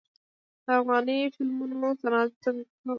د افغاني فلمونو صنعت څنګه دی؟